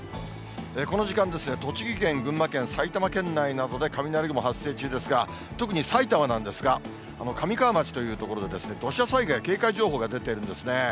この時間ですが、栃木県、群馬県、埼玉県内などで雷雲、発生中ですが、特に埼玉なんですが、神川町という所で土砂災害警戒情報が出ているんですね。